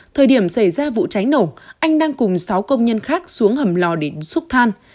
thời điểm xảy ra vụ cháy nổ anh đang cùng sáu công nhân khác xuống hầm lò để xúc than